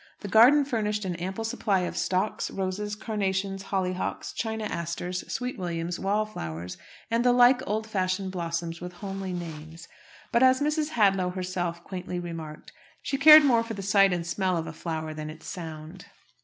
The garden furnished an ample supply of stocks, roses, carnations, holly hocks, china asters, sweetwilliams, wallflowers, and the like old fashioned blossoms with homely names. But as Mrs. Hadlow herself quaintly remarked, she cared more for the sight and smell of a flower than its sound.